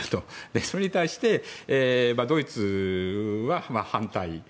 それに対して、ドイツは反対。